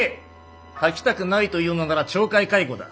書きたくないというのなら懲戒解雇だ。